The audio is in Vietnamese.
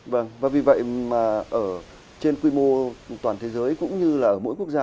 vâng và vì vậy mà ở trên quy mô toàn thế giới cũng như là ở mỗi quốc gia